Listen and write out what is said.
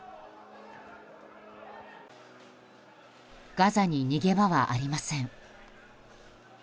ガザに逃げ場はありません。